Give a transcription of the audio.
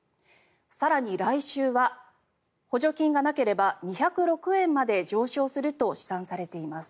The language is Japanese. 更に、来週は補助金がなければ２０６円まで上昇すると試算されています。